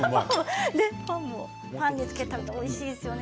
パンにつけて食べるとおいしいですよね。